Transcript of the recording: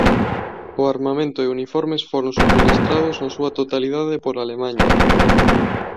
O armamento e uniformes foron subministrados na súa totalidade por Alemaña.